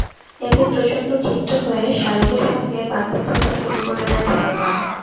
এতে প্রচণ্ড ক্ষিপ্ত হয়ে শাহরুখের সঙ্গে বাগবিতণ্ডা শুরু করে দেন সালমান।